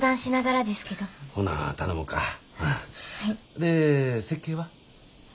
で設計は？